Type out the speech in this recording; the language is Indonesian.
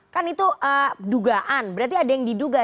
kan itu dugaan berarti ada yang diduga